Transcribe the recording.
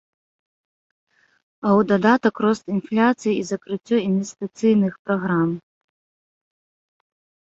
А ў дадатак рост інфляцыі і закрыццё інвестыцыйных праграм.